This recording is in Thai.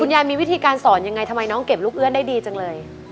ยายมีวิธีการสอนยังไงทำไมน้องเก็บลูกเอื้อนได้ดีจังเลย